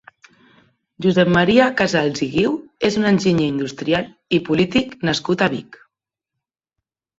Josep Maria Casals i Guiu és un enginyer industrial i polític nascut a Vic.